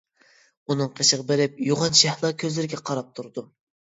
ئۇنىڭ قېشىغا بېرىپ يوغان شەھلا كۆزلىرىگە قاراپ تۇردۇم.